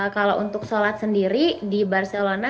kalau untuk sholat sendiri di barcelona